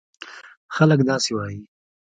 خلک داسې وایي: